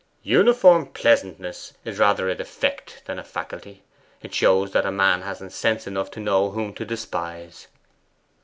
'Uniform pleasantness is rather a defect than a faculty. It shows that a man hasn't sense enough to know whom to despise.